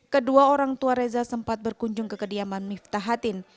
kedua orang tua reza sempat berkunjung ke kediaman miftahatin